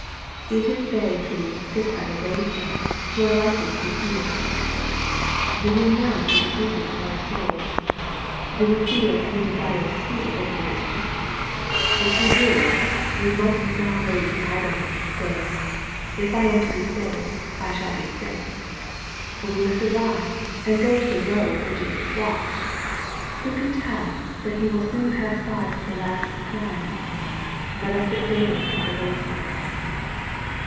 It is they who "sit by the way side" who are likely to be healed. Do we know the diseases of our souls ? Do we feel any desire to see the great Physician ? If we do, MATTHEW, CHAP. XX. 261 m we must not wait in idleness, saying, " If I am to be gaved, I shall be saved." We must arise and go to the road where Jesus walks. Who can tell but He will soon pass by for the last time ? Let us sit daily by the way.8ide.